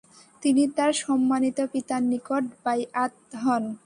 তিনি তার সম্মানিত পিতার নিকট 'বাইআত' হন ।